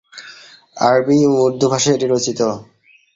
আরবি ও উর্দু ভাষায় এটি রচিত।